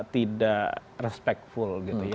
tidak respectfull gitu ya